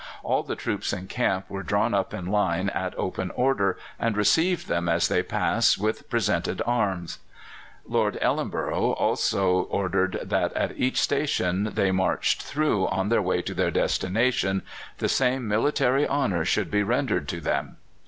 All the troops in camp were drawn up in line at open order, and received them as they passed with presented arms. Lord Ellenborough also ordered that at each station they marched through on their way to their destination the same military honours should be rendered to them.